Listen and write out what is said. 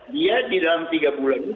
dia di dalam tiga bulan